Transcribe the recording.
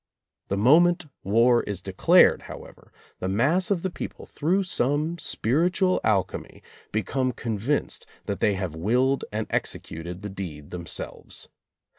The moment war is declared, however, the mass of the people, through some spiritual alchemy, be come convinced that they have willed and exe cuted the deed themselves.